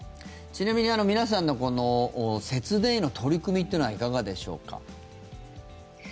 ちなみに皆さんの節電への取り組みというのはいかがでしょうか。